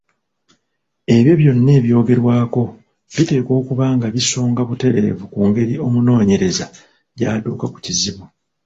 Ebyo byonna ebyogerwako biteekwa okuba nga bisonga butereevu ku ngeri omunoonyereza gy’atuuka ku kizibu.